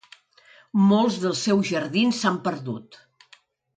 Molts dels seus jardins s'han perdut.